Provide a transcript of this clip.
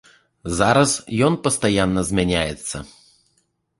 Зараз ён пастаянна змяняецца.